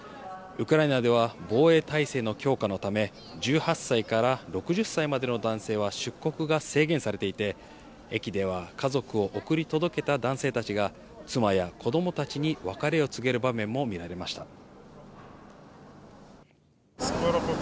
ウクライナでは、防衛態勢の強化のため、１８歳から６０歳までの男性は出国が制限されていて、駅では家族を送り届けた男性たちが、妻や子どもたちに別れを告げる場面も見られました。